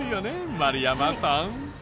丸山さん。